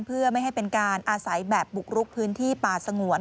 เพื่อไม่ให้เป็นการอาศัยแบบบุกรุกพื้นที่ป่าสงวน